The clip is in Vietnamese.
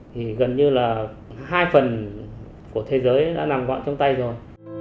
thì gần như là hai phần của thế giới đã nằm gọn trong tay rồi